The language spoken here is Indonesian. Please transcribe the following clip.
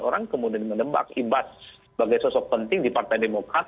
orang kemudian menebak ibas sebagai sosok penting di partai demokrat